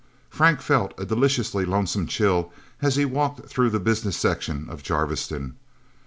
Frank felt a deliciously lonesome chill as he walked through the business section of Jarviston.